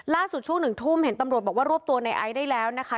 ช่วงหนึ่งทุ่มเห็นตำรวจบอกว่ารวบตัวในไอซ์ได้แล้วนะคะ